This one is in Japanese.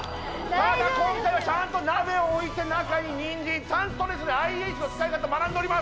今回はちゃんと鍋を置いて中ににんじんちゃんとＩＨの使い方学んでおります。